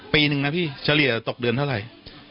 ปีนึงนะพี่เฉลี่ยตกเดือนเท่าไหร่